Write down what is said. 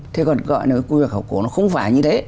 thế còn gọi là quy hoạch khảo cổ nó không phải như thế